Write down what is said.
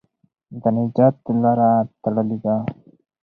د نجات لاره تړلې ده.